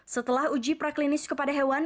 setelah uji praklinis kepada hewan